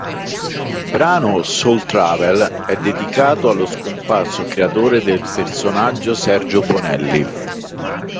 Il brano "Soul Traveler" è dedicato allo scomparso creatore del personaggio, Sergio Bonelli.